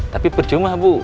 tapi percuma bu